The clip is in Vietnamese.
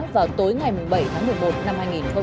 vào tối ngày bảy tháng một mươi một năm hai nghìn hai mươi